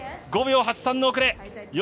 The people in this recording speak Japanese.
５秒８３の遅れ。